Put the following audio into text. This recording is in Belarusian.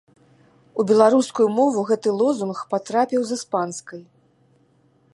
У беларускую мову гэты лозунг патрапіў з іспанскай.